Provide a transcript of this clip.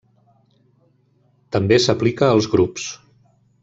També s’aplica als grups.